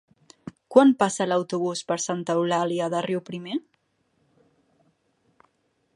Quan passa l'autobús per Santa Eulàlia de Riuprimer?